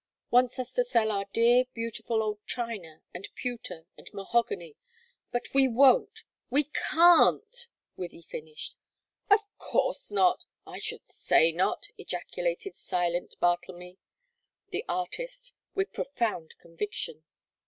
"Wants us to sell our dear, beautiful old china and pewter and mahogany. But we won't we can't!" Wythie finished. "Of course not; I should say not!" ejaculated silent Bartlemy, the artist, with profound conviction.